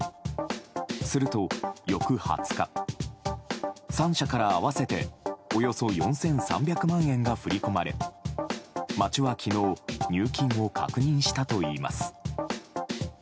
すると翌２０日３社から合わせておよそ４３００万円が振り込まれ町は昨日入金を確認したといいます。